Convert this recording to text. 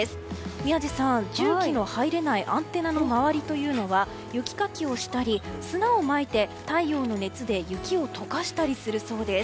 宮司さん、重機の入れないアンテナの周りというのは雪かきをしたり砂をまいて太陽の熱で雪を解かしたりするそうです。